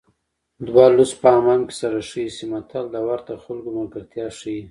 دوه لوڅ په حمام کې سره ښه ایسي متل د ورته خلکو ملګرتیا ښيي